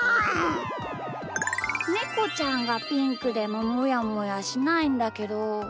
ネコちゃんがピンクでももやもやしないんだけど。